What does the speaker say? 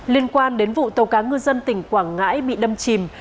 liên quan đến vụ tàu cá ngư dân tỉnh quảng ngãi bị đâm chìm